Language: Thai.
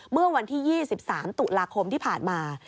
เมื่อวันที่๒๓ตุลาคมที่ผ่านมา